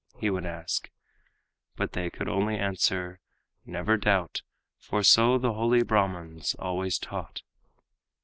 he would ask. But they could only answer: "Never doubt, For so the holy Brahmans always taught."